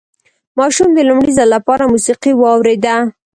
ماشوم د لومړي ځل لپاره موسيقي واورېده.